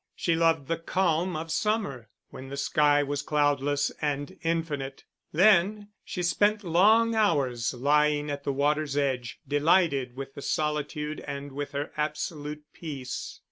She loved the calm of summer when the sky was cloudless and infinite. Then she spent long hours, lying at the water's edge, delighted with the solitude and with her absolute peace.